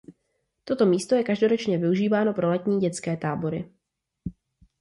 Toto místo je každoročně využíváno pro letní dětské tábory.